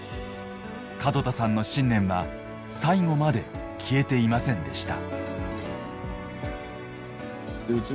門田さんの信念は最後まで消えていませんでした。